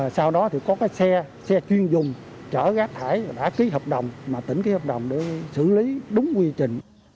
sau đó thì có cái xe chuyên dùng trở rắc thải đã ký hợp đồng tỉnh ký hợp đồng để xử lý đúng quy trình